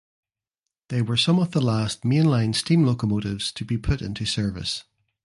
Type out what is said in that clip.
They were some of the last mainline steam locomotives to be put into service.